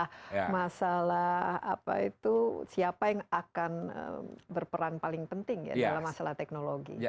ini masalah siapa yang akan berperan paling penting ya dalam masalah teknologi